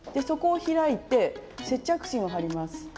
そこを開いて接着芯を貼ります。